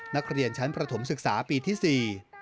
นักเรียนชั้นประถมศึกษาปีที่๔